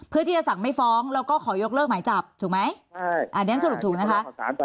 เพื่อที่จะสั่งไม่ฟ้องแล้วก็ขอยกเลิกหมายจับถูกไหมอันนี้สรุปถูกนะคะ